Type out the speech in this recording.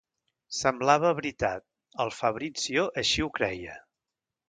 Semblava veritat, el Fabrizio així ho creia...